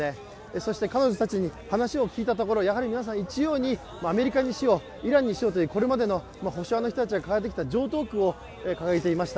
そして彼女たちに話を聞いたところ、皆さん一様に、アメリカにしろイランにしろ、今までこれまでの保守派の人たちが掲げてきた常套句を掲げていました。